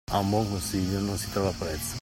A buon consiglio non si trova prezzo.